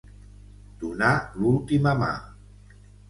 Donar l'última mà.